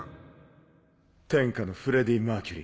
天下のフレディ・マーキュリー。